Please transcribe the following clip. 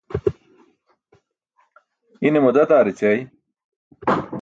ine madad aar ećai